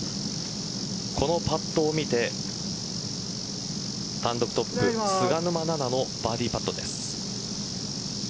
このパットを見て単独トップ菅沼菜々のバーディーパットです。